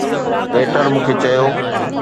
waiter مون کي چيو